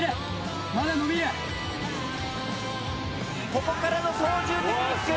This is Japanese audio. ここからの操縦テクニック。